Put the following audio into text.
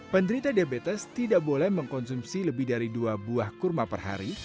penderita diabetes tidak boleh mengkonsumsi lebih dari dua buah kurma per hari